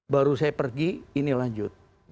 baru saya pergi ini lanjut